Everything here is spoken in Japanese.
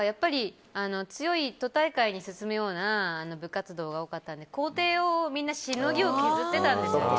強い都大会に進むような部活動が多かったので校庭をみんなしのぎを削っていたんですよね。